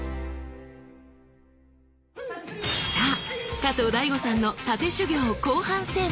さあ加藤大悟さんの殺陣修業後半戦。